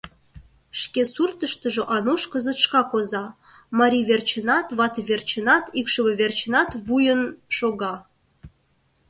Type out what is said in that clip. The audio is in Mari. Шке суртыштыжо Ануш кызыт шкак оза: марий верчынат, вате верчынат, икшыве верчынат вуйын шога.